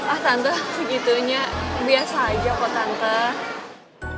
ah tante segitunya biasa aja kok tante